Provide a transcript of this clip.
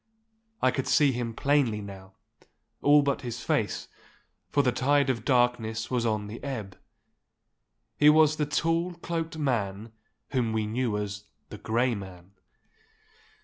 I could see him plainly now—all but his face, for the tide of darkness was on the ebb. He was the tall, cloaked man whom we knew as the Grey Man.